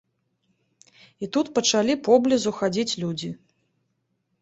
І тут пачалі поблізу хадзіць людзі.